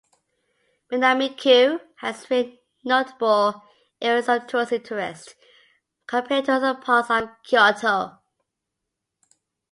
Minami-ku has few notable areas of tourist interest compared to other parts of Kyoto.